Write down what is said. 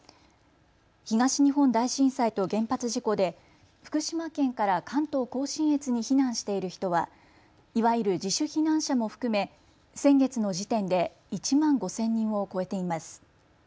東日本大震災と原発事故で福島県から関東甲信越に避難している人はいわゆる自主避難者も含め先月の時点で１万５０００人を超えています。